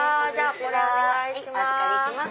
これお願いします。